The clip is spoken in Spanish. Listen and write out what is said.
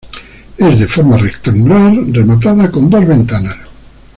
Es de forma rectangular, rematada con dos ventanas.